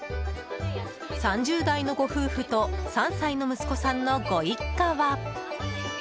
３０代のご夫婦と３歳の息子さんのご一家は。